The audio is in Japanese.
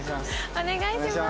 お願いします。